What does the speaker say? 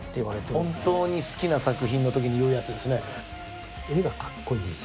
本当に好きな作品の時に言うやつですね。